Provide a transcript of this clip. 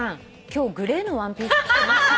今日グレーのワンピース着てますよ」